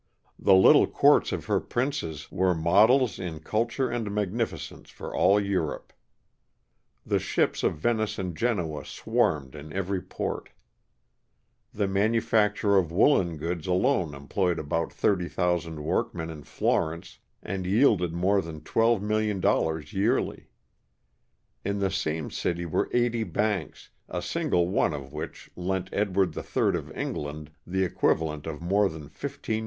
The little courts of her princes were models in culture and magnificence for all Europe. The ships of Venice and Genoa swarmed in every port. The manu facture of woolen goods alone employed about 30,000 work men in Florence and yielded more than $12,000,000 yearly. In the same city were eighty banks, a single one of which lent Edward III of England the equivalent of more than $15,000,000.